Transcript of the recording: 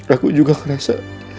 aku juga ngerasa